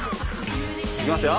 いきますよ！